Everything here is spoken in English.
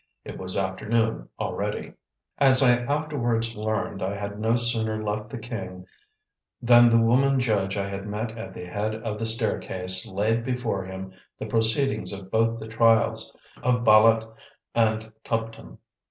It was afternoon already. As I afterwards learned, I had no sooner left the king than the woman judge I had met at the head of the staircase laid before him the proceedings of both the trials, of Bâlât and Tuptim.